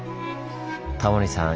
タモリさん